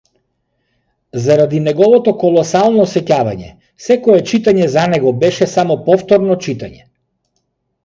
Заради неговото колосално сеќавање, секое читање за него беше само повторно читање.